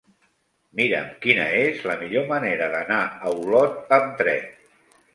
Mira'm quina és la millor manera d'anar a Olot amb tren.